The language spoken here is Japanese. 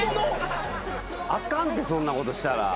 あかんってそんなことしたら。